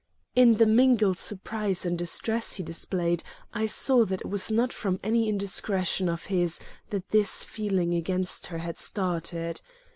In the mingled surprise and distress he displayed, I saw that it was not from any indiscretion of his that this feeling against her had started.